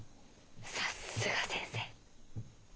さすが先生。